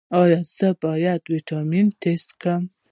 ایا زه باید د ویټامین بي ټسټ وکړم؟